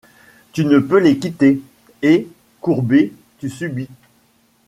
Tu ne peux les quitter, et, courbé ; tu subis